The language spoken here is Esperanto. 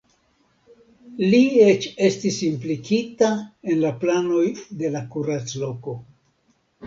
Li eĉ estis implikita en la planoj de la kuracloko.